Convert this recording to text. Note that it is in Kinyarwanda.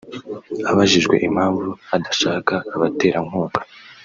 Abajijwe impamvu adashaka abaterankunga